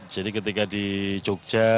jadi ketika di jogja